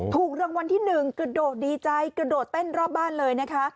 ถูกรางวัลที่๑กระโดดดีใจกระโดดเต้นรอบบ้านเลยนะคะ